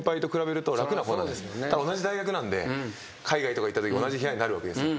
同じ大学なんで海外とか行った時同じ部屋になるわけですよ。